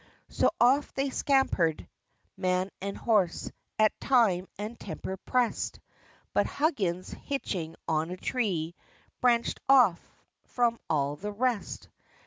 So off they scampered, man and horse, As time and temper pressed But Huggins, hitching on a tree, Branched off from all the rest.